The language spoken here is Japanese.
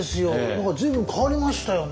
何か随分変わりましたよね。